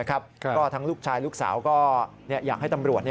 ก็ทั้งลูกชายลูกสาวก็อยากให้ตำรวจ